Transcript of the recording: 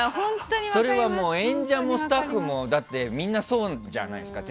それは演者もスタッフもみんなそうじゃないですか。